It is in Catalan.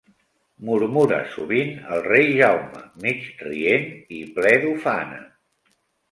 Murmura sovint el rei Jaume, mig-rient i ple d’ufana.